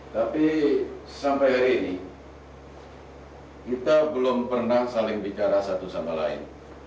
tapi sampai hari ini kita belum pernah saling bicara satu sama lain